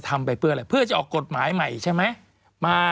ไปเพื่ออะไรเพื่อจะออกกฎหมายใหม่ใช่ไหม